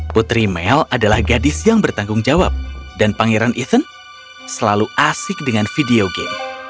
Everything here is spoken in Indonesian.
putri mel adalah gadis yang bertanggung jawab dan pangeran ethan selalu asik dengan video game